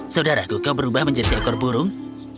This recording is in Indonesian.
saudaraku kau berubah menjadi ekor burung